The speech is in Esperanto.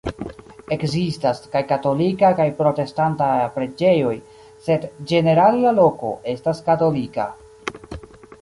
Ekzistas kaj katolika kaj protestanta preĝejoj, sed ĝenerale la loko estas katolika.